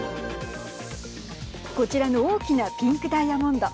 こちらの大きなピンクダイヤモンド。